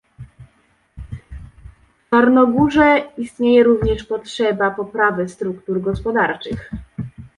W Czarnogórze istnieje również potrzeba poprawy struktur gospodarczych